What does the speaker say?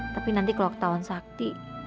tapi nanti kalau ketahuan sakti